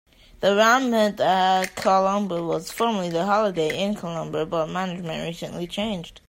The Ramada Colombo was formerly the Holiday Inn Colombo but management recently changed.